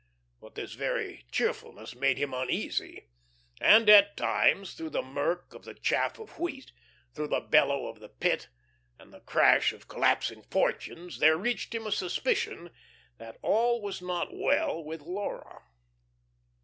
But this very cheerfulness made him uneasy, and at times, through the murk of the chaff of wheat, through the bellow of the Pit, and the crash of collapsing fortunes there reached him a suspicion that all was not well with Laura.